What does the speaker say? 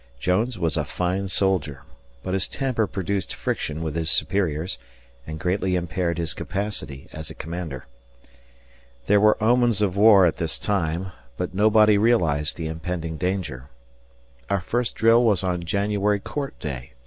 Jones was a fine soldier, but his temper produced friction with his superiors and greatly impaired his capacity as a commander. There were omens of war at this time, but nobody realized the impending danger. Our first drill was on January Court Day, 1861.